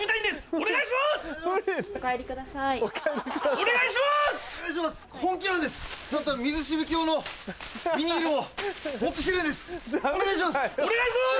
お願いします！